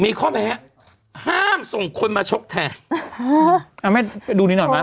มีข้อแผลห้ามส่งคนมาชกแทนเออเอาไหมดูนี่หน่อยมา